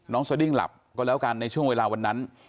สดิ้งหลับก็แล้วกันในช่วงเวลาวันนั้น